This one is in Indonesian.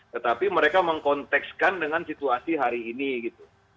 tetapi mereka mengkontekskan dengan situasi hari ini gitu